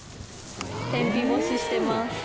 天日干ししてます。